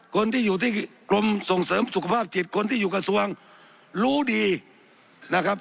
คนที่อยู่ที่กรมส่งเสริมสุขภาพจิตคนที่อยู่กระทรวงรู้ดีนะครับ